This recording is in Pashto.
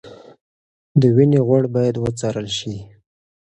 د وینې غوړ باید وڅارل شي.